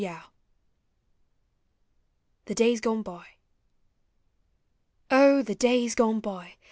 YOUTH. THE DAYS GONE BY. O the davs gone by